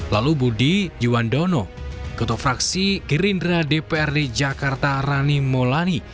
lalu budi juwandono ketua fraksi gerindra dprd jakarta rani molani